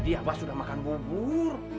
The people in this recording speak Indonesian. tadi abang sudah makan bobur